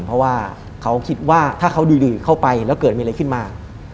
เพราะว่าเขาคิดว่าถ้าเขาดุยเข้าไปแล้วเกิดมีอะไรขึ้นมา